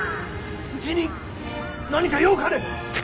ウチに何か用かね！？